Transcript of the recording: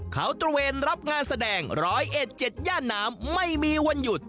เขาตระเวนรับงานแสดงร้อยเอ็ดเจ็ดย่าน้ำไม่มีวันหยุด